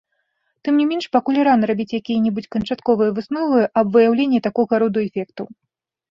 Тым не менш, пакуль рана рабіць якія-небудзь канчатковыя высновы аб выяўленні такога роду эфектаў.